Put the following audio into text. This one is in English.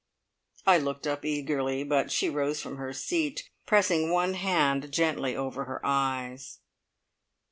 I looked up eagerly, but she rose from her seat, pressing one hand gently over my eyes.